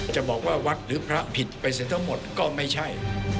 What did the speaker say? จะบอกว่าวัดหรือพระผิดไปเสียทั้งหมดก็ไม่ใช่